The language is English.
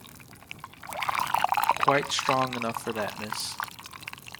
Quite strong enough for that, miss!